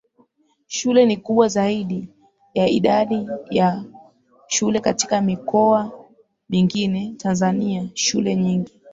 shule ni kubwa zaidi ya idadi ya shule katika mikoa mingine TanzaniaShule nyingi